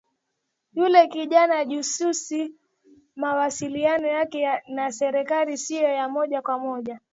Yule kijana jasusi mawasiliano yake na serikali sio ya moja kwa moja